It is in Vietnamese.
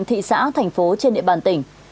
thị xã thành phố trên địa bàn tỉnh